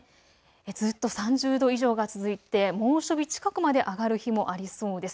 ずっと３０度以上が続いて猛暑日近くまで上がる日もありそうです。